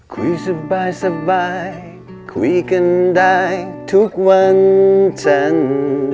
คุยสบายคุยกันได้ทุกวันจันทร์